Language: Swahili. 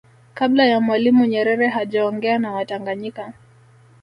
Kabla ya Mwalimu Nyerere hajaongea na watanganyika